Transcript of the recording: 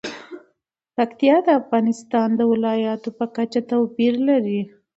پکتیا د افغانستان د ولایاتو په کچه توپیر لري.